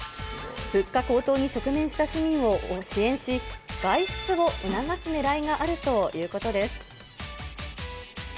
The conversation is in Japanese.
物価高騰に直面した市民を支援し、外出を促すねらいがあるということです。